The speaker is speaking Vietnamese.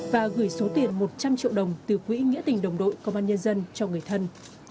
và gửi số tiền một trăm linh triệu đồng từ quỹ nghĩa tình đồng đội công an nhân dân cho người thân